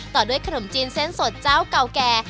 ต่อด้วยขนมจีนเส้นสดเจ้าเก่าแก่